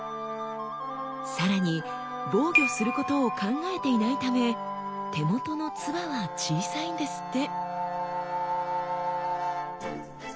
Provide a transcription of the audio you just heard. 更に防御することを考えていないため手元の鐔は小さいんですって。